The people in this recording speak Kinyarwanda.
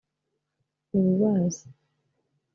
ububazi